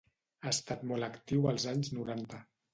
Ha estat molt actiu als anys noranta.